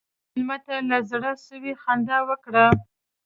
مېلمه ته له زړه سوي خندا ورکړه.